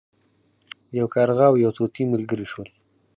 یو کارغه او یو طوطي ملګري شول.